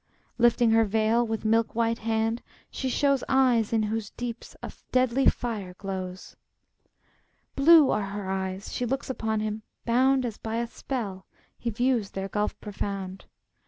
Lifting her veil with milk white hand she shows Eyes in whose deeps a deadly fire glows. Blue are her eyes: she looks upon him bound, As by a spell, he views their gulf profound.